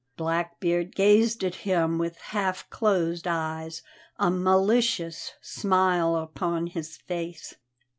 Blackbeard gazed at him with half closed eyes, a malicious smile upon his face.